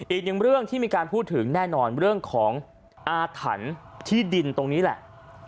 อีกหนึ่งเรื่องที่มีการพูดถึงแน่นอนเรื่องของอาถรรพ์ที่ดินตรงนี้แหละ